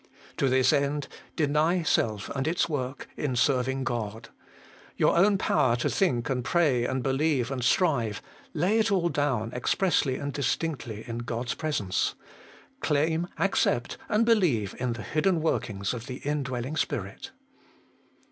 3. To this end, deny self and its work In serving Qod. Your own power to thinh and pray and believe and strive lay it all down expressly and dis tinctly in God's presence ; claim, accept, and believe in the hidden workings of the indwelling Spirit.